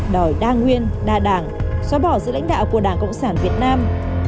đòi đa nguyên đa đảng xóa bỏ sự lãnh đạo của đảng cộng sản việt nam